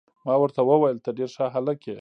ما ورته وویل: ته ډیر ښه هلک يې.